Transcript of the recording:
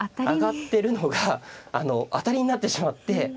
上がってるのが当たりになってしまって。